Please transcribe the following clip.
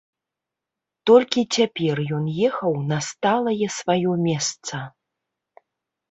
Толькі цяпер ён ехаў на сталае сваё месца.